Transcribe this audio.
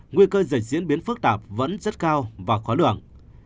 nguy cơ dịch diễn biến phức tạp vẫn rất cao và khó lường